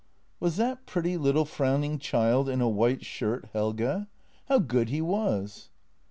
Was that pretty little frowning child in a white shirt Helge? How good he was!